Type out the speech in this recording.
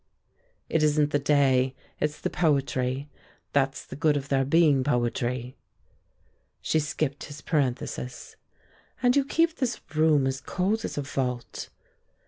"It isn't the day; it's the poetry. That's the good of there being poetry." She skipped his parenthesis. "And you keep this room as cold as a vault."